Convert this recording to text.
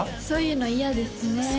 そういうの嫌ですね